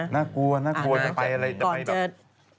น่ากลัวน่ากลัวจะไปอะไรจะไปแบบ